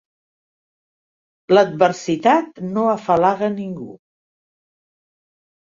L'adversitat no afalaga ningú.